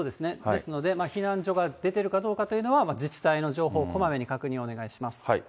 ですので、避難所が出てるかどうかというのは、自治体の情報をこまめに確認お願いします。